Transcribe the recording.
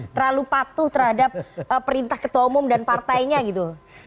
terlalu patuh terhadap perintah ketua umum dan partainya gitu